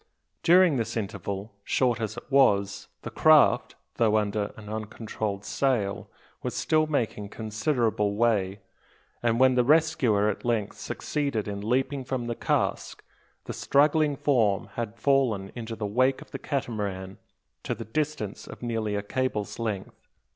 During this interval short as it was the craft, though under an uncontrolled sail, was still making considerable way; and when the rescuer at length succeeded in leaping from the cask, the struggling form had fallen into the wake of the Catamaran to the distance of nearly a cable's length.